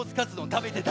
たべてた！